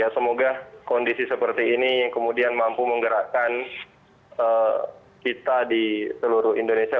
semoga kondisi seperti ini kemudian mampu menggerakkan kita di seluruh indonesia